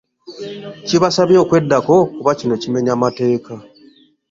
Kibasabye okweddako kuba kino kimenya mateeka